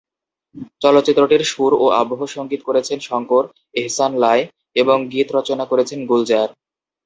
চলচ্চিত্রটির সুর ও আবহ সঙ্গীত করেছেন শঙ্কর-এহসান-লায় এবং গীত রচনা করেছেন গুলজার।